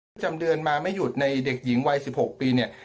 ประจำเดือนมาไม่หยุดในเด็กหญิงวัย๑๖ปีเนี่ย